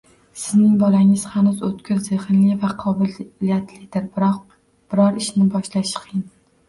Sizning bolangiz hanuz o‘tkir zehnli va qobiliyatlidir, biroq “biror ishni boshlashi qiyin”.